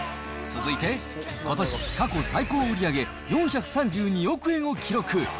続いて、ことし過去最高売り上げ４３２億円を記録。